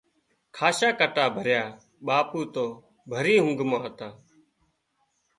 کاشا ڪٽا ڀريا ٻاپو تو ڀري اونگھ مان هتا